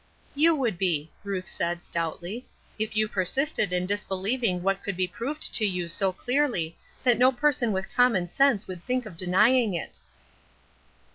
"You would be," Ruth said, stoutly, "if you persisted in disbelieving what could be proved to you so clearly that no person with common sense would think of denying it."